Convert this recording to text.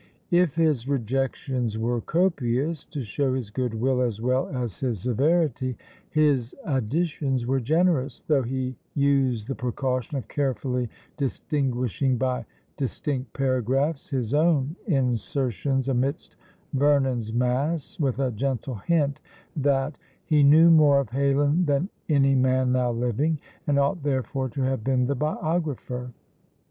If his rejections were copious, to show his good will as well as his severity, his additions were generous, though he used the precaution of carefully distinguishing by "distinct paragraphs" his own insertions amidst Vernon's mass, with a gentle hint that "He knew more of Heylin than any man now living, and ought therefore to have been the biographer."